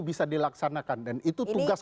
bisa dilaksanakan dan itu tugas